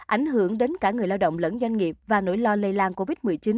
ảnh hưởng đến cả người lao động lẫn doanh nghiệp và nỗi lo lây lan covid một mươi chín